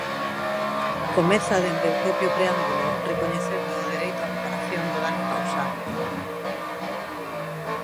Comeza, desde o propio Preámbulo, recoñecendo o dereito á reparación do dano causado.